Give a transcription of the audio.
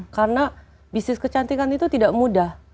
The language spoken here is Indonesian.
karena bisnis kecantikan itu tidak mudah